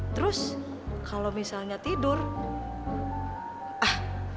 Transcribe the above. terus kalau misalnya tidur ah